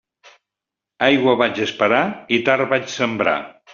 Aigua vaig esperar i tard vaig sembrar.